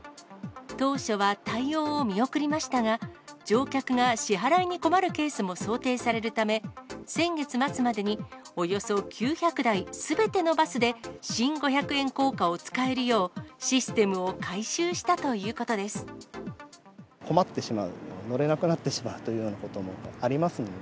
当初は対応を見送りましたが、乗客が支払いに困るケースも想定されるため、先月末までにおよそ９００台すべてのバスで、新五百円硬貨を使えるよう、システムを改修したということです。